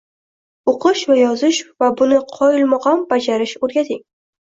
O‘qish va yozish va buni qoyilmaqom bajarish o'rgating.